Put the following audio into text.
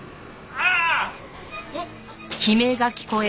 ああ！